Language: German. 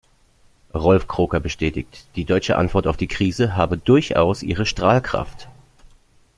Rolf Kroker bestätigt: „die deutsche Antwort auf die Krise habe durchaus ihre Strahlkraft“.